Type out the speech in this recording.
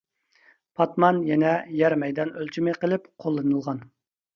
پاتمان يەنە يەر مەيدان ئۆلچىمى قىلىپ قوللىنىلغان.